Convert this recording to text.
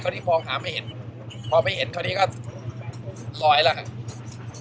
ตอนนี้มองหาไม่เห็นพอไม่เห็นคราวนี้ก็ลอยแล้วครับ